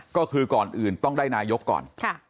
ก็คือก่อนอื่นต้องได้นายกก่อน